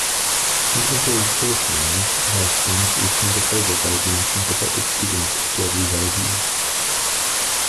Contemporary Peircians have since returned the favour by being sympathetic students of Welby's ideas.